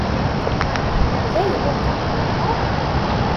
Dayen ur kem-ḥemmleɣ ara.